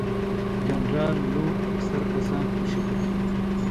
جنرال لو اکثر کسان خوشي کړل.